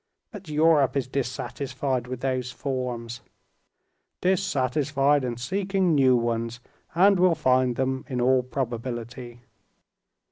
"But Europe is dissatisfied with these forms." "Dissatisfied, and seeking new ones. And will find them, in all probability."